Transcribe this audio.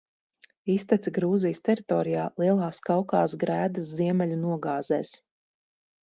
Iztece Gruzijas teritorijā, Lielās Kaukāza grēdas ziemeļu nogāzēs.